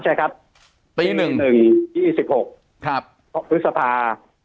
ใช่ครับปีหนึ่ง๒๖วิทยาปุศพา